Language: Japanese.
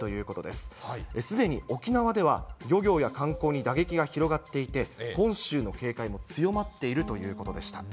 すでに沖縄では、漁業や観光に打撃が広がっていて、本州の警戒も強まっているということでした。